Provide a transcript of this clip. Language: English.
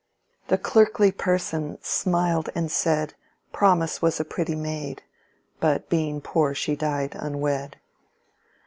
"The clerkly person smiled and said Promise was a pretty maid, But being poor she died unwed."